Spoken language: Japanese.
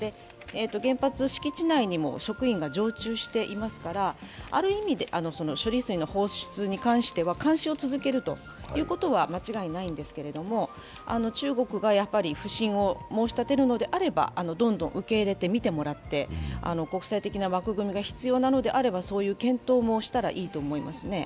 原発敷地内にも職員が常駐していますから、ある意味で処理水の放出に関しては監視を続けるということには間違いないんですけれども、中国がやっぱり不信を申し立てるのであれば、どんどん受け入れて見てもらって国際的な枠組みが必要なのであればそういう検討もしたらいいと思いますね。